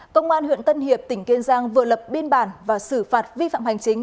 công an huyện tân hiệp tỉnh kiên giang vừa lập biên bản và xử phạt vi phạm hành chính